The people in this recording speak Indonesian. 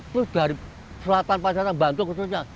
itu dari selatan selatan bangkung khususnya